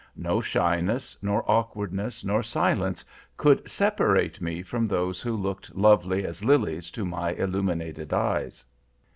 No shyness, nor awkwardness, nor silence, could separate me from those who looked lovely as lilies to my illuminated eyes.